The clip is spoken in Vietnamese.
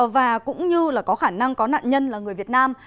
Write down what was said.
và cũng như là có khả năng có nạn nhân là người việt nam